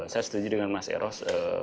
saya setuju dengan mas eros